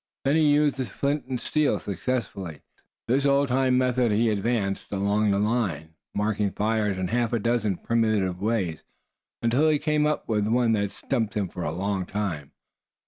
Then he had used flint and steel successfully. And from this old time method he advanced along the line, making fires in half a dozen primitive ways, until he came up against one that "stumped" him for a long time.